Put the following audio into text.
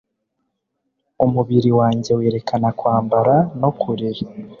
umubiri wanjye werekana kwambara no kurira